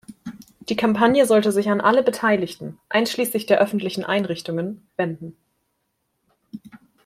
Die Kampagne sollte sich an alle Beteiligten, einschließlich der öffentlichen Einrichtungen, wenden.